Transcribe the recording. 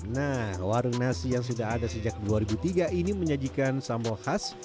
nah warung nasi yang sudah ada sejak dua ribu tiga ini menyajikan sambal khas